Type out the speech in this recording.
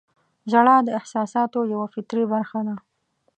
• ژړا د احساساتو یوه فطري برخه ده.